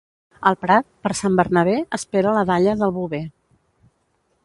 El prat, per Sant Bernabé, espera la dalla del bover.